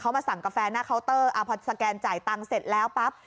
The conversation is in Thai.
มาสั่งกาแฟหน้าเคาน์เตอร์พอสแกนจ่ายตังค์เสร็จแล้วปั๊บ